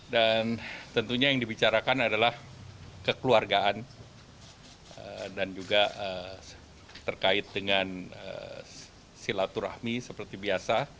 dan tentunya yang dibicarakan adalah kekeluargaan dan juga terkait dengan silaturahmi seperti biasa